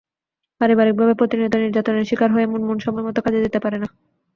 পারিবারিকভাবে প্রতিনিয়ত নির্যাতনের শিকার হয়ে মুনমুন সময়মতো কাজে যেতে পারে না।